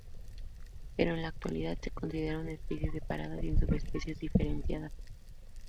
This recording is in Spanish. Pero en la actualidad se considera una especie separada, sin subespecies diferenciadas.